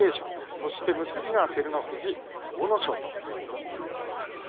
そして結びが照ノ富士、阿武咲となっています。